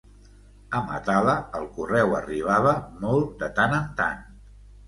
A Matala el correu arribava molt de tant en tant.